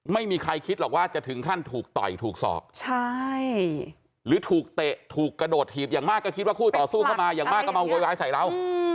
ไม่มีใครคิดหรอกว่าจะถึงขั้นถูกต่อยถูกศอกใช่หรือถูกเตะถูกกระโดดถีบอย่างมากก็คิดว่าคู่ต่อสู้เข้ามาอย่างมากก็มาโวยวายใส่เรา